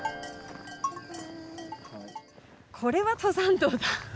これは登山道だ。